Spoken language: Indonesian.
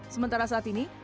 sementara saat ini